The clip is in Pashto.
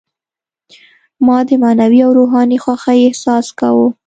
ما د معنوي او روحاني خوښۍ احساس کاوه.